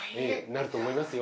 なると思いますよ。